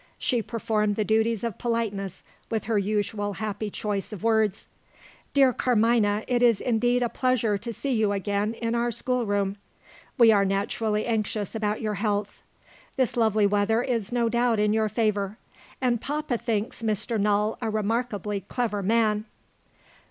She performed the duties of politeness with her usual happy choice of words. "Dear Carmina, it is indeed a pleasure to see you again in our schoolroom. We are naturally anxious about your health. This lovely weather is no doubt in your favour; and papa thinks Mr. Null a remarkably clever man."